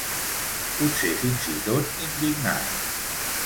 Potser fins i tot indignada.